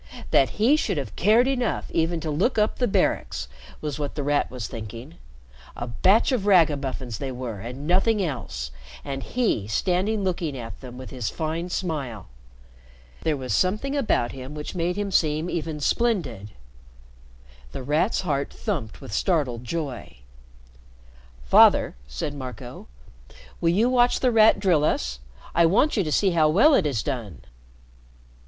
That he should have cared enough even to look up the Barracks, was what The Rat was thinking. A batch of ragamuffins they were and nothing else, and he standing looking at them with his fine smile. There was something about him which made him seem even splendid. The Rat's heart thumped with startled joy. "Father," said Marco, "will you watch The Rat drill us? I want you to see how well it is done."